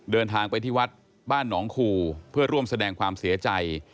เดินทางไปที่วัดบ้านหนองคูเพื่อร่วมแสดงความเสียใจ